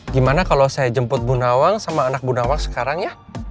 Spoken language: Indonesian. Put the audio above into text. gimana kalau saya jemput bu nawang sama anak bu nawang sekarang ya